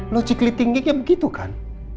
lo cikli tinggi kayak begitu kan